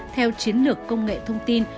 theo chiến lược công nghệ thông tin